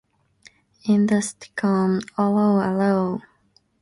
In the sitcom 'Allo 'Allo!